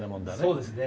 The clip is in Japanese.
そうですね。